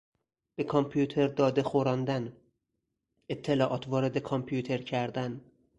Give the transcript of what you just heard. به کامپیوتر داده خوراندن، اطلاعات وارد کامپیوتر کردن